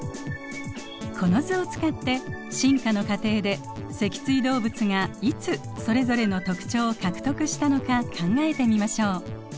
この図を使って進化の過程で脊椎動物がいつそれぞれの特徴を獲得したのか考えてみましょう。